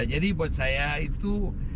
jadi buat saya itu